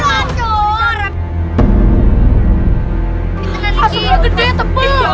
asumrah gede tebal